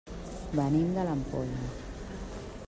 Venim de l'Ampolla.